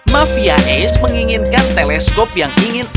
mafia ace menginginkan teleskop yang ingin